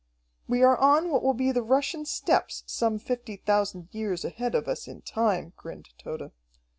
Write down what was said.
"We are on what will be the Russian steppes some fifty thousand years ahead of us in time," grinned Tode.